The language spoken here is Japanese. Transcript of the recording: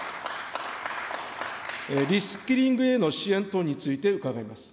リスキリングへの支援等について伺います。